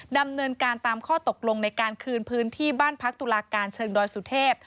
ดำเนินการตามข้อตกลงในการคืนพื้นที่บ้านพักตุลาการเชิงดอยสุเทพ